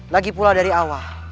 lagi pula dari awal